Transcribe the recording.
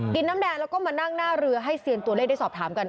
น้ำแดงแล้วก็มานั่งหน้าเรือให้เซียนตัวเลขได้สอบถามกัน